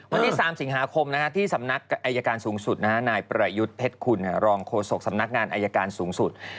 วันที่๓สิงหาคมที่สำนักอายการสูงสุดนายประยุทธ์เพชรคุณรองโฆษกสำนักงานอายการสูงสุด